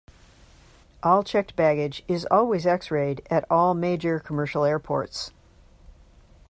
All checked baggage is always x-rayed at all major commercial airports.